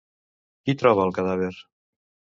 Qui troba el cadàver?